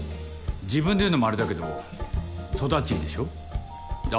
自分で言うのもあれだけど育ちいいでしょ頭いいでしょ。